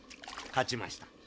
勝ちました。